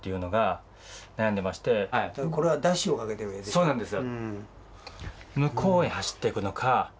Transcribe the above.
そうなんですよ。